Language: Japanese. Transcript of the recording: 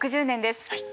６０年です。